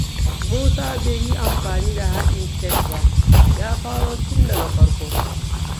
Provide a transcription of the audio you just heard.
Musa bai yi amfani da haɗin kek ba. Ya faro tun daga farko.